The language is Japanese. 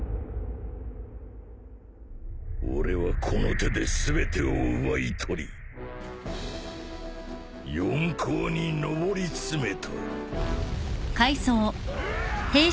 俺はこの手で全てを奪い取り四皇に上り詰めた